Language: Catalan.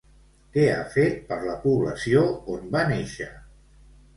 Què ha fet per la població on va néixer?